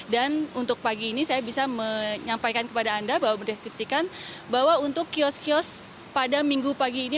dan untuk pagi ini saya bisa menyampaikan kepada anda bahwa untuk kios kios pada minggu pagi ini